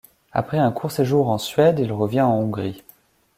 Après un court séjour en Suède, il revient en Hongrie.